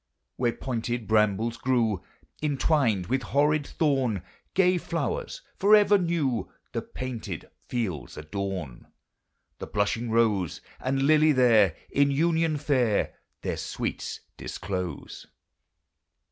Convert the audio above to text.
Where pointed brambles grew, Intwined with horrid thorn, Gay flowers, forever new, The painted fields adorn, The blushing rose And lily there, In union fair, Their sweets disclose.